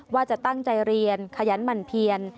ว่าจะตั้งใจเรียนขยันหมั่นเพียน